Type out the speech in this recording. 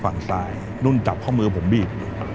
ฝั่งซ้ายนุ่นจับข้อมือผมบีบ